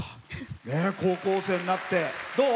高校生になってどう？